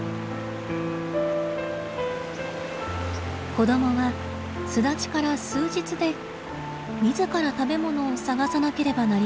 子供は巣立ちから数日で自ら食べ物を探さなければなりません。